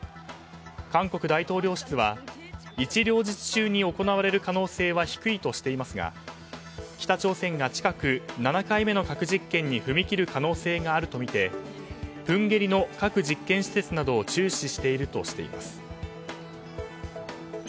韓国大統領室は一両日中に行われる可能性は低いとしていますが北朝鮮が近く７回目の核実験に踏み切る可能性があるとみてプンゲリの核実験施設などを注視しているとしています。